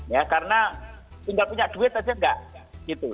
ya karena tinggal punya duit aja enggak gitu